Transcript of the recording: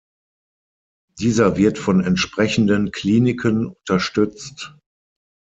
Dieser wird von entsprechenden Kliniken unterstützt.